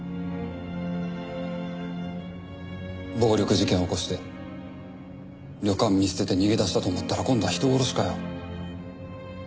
暴力事件を起こして旅館見捨てて逃げ出したと思ったら今度は人殺しかよ。